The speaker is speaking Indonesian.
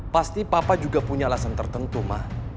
pasti papa juga punya alasan tertentu mah